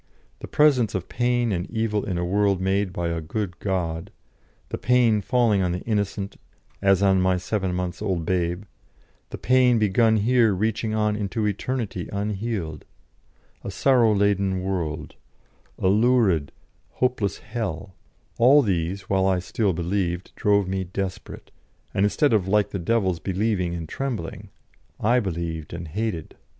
The presence of pain and evil in a world made by a good God; the pain falling on the innocent, as on my seven months' old babe; the pain begun here reaching on into eternity unhealed; a sorrow laden world; a lurid, hopeless hell; all these, while I still believed, drove me desperate, and instead of like the devils believing and trembling, I believed and hated.